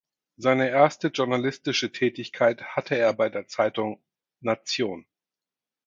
Seine erste journalistische Tätigkeit hatte er bei der Zeitung "Nation".